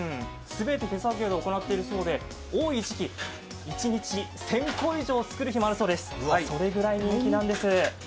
全て手作業で行っているそうで多い時期、一日１０００個以上作る日もあるそうです、それぐらい人気なんです。